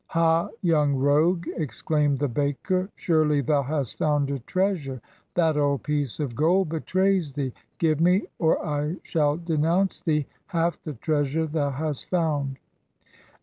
"Ha! young rogue," exclaimed the baker, ■' Surely thou hast found a treasure; That old piece of gold betrays thee! Give me, or I shall denounce thee. Half the treasure thou hast found."